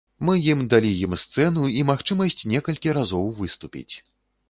Мы ім далі ім сцэну і магчымасць некалькі разоў выступіць.